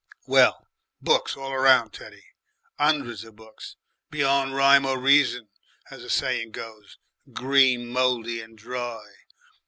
"Well, books all round, Teddy, 'undreds of books, beyond rhyme or reason, as the saying goes, green mouldy and dry.